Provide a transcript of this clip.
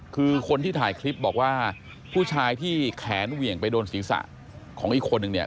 คือคนที่ถ่ายคลิปบอกว่าผู้ชายที่แขนเหวี่ยงไปโดนศีรษะของอีกคนนึงเนี่ย